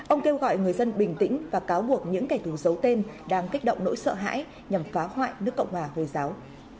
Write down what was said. ông kêu gọi người dân bình tĩnh và cáo buộc những kẻ thù giấu tên đang kích động nỗi sợ hãi nhằm phá hoại nước cộng hòa hồi giáo